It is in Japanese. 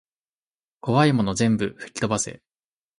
こわいもの全部ふきとばせ